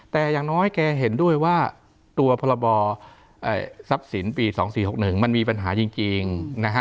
แต่อย่างน้อยแกเห็นด้วยว่าตัวพรบทรัพย์สินปี๒๔๖๑มันมีปัญหาจริงนะฮะ